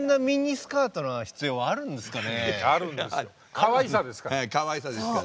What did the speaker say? かわいさですから。